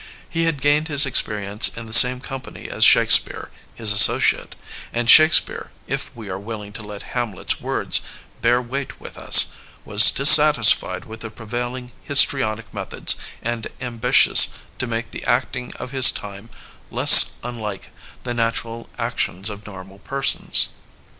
He had gained his experience in the same company as Shakespeare, his associate; and Shake speare, if we are willing to let Hamlet's words bear weight with us, was dissatisfied with the prevailing Digitized by LjOOQIC THE ACTOR IN ENGLAND 553 histrionic methods and ambitious to make the acting of his ^tirne less unlike the natural actions of normal persons.